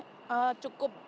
harga garam masih cukup